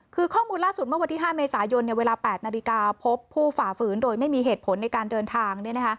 คือข้อมูลล่าสุดเมื่อวันที่๕เมษายนเวลา๘นาฬิกาพบผู้ฝ่าฝืนโดยไม่มีเหตุผลในการเดินทาง